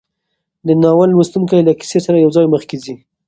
د ناول لوستونکی له کیسې سره یوځای مخکې ځي.